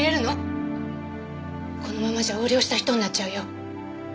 このままじゃ横領した人になっちゃうよ。